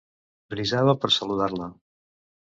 Frisava per saludar-la.